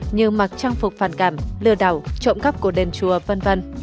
như mặc trang phục phản cảm lừa đảo trộm cắp của đền chùa v v